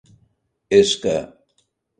És que...